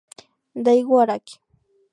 Daigo Araki